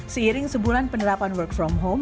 seiring sebulan penerapan work from home